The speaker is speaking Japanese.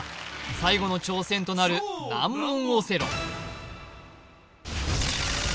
最後の挑戦となる難問